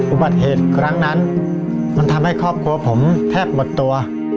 อุบัติเหตุครั้งนั้นมันทำให้ครอบครัวผมแทบหมดตัว